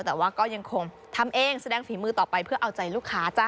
แต่ว่าก็ยังคงทำเองแสดงฝีมือต่อไปเพื่อเอาใจลูกค้าจ้ะ